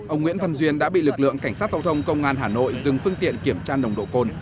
ông nguyễn văn duyên đã bị lực lượng cảnh sát giao thông công an hà nội dừng phương tiện kiểm tra nồng độ cồn